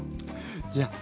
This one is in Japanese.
じゃあ。